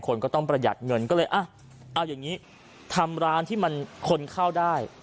คนก็ต้องประหยัดเงินก็เลยอ่ะเอาอย่างนี้ทำร้านที่มันคนเข้าได้